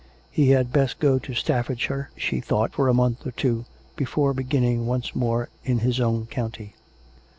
He had best go to Staffordshire, she thought, for a month or two, before be ginning once more in his own county.